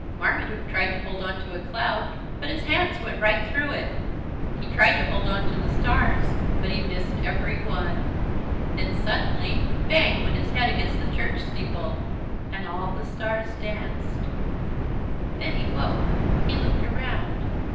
Marmaduke tried to hold on to a cloud, but his hands went right through it. He tried to hold on to the stars, but he missed every one. Then suddenly bang went his head against the church steeple and all the stars danced Then he woke. He looked around.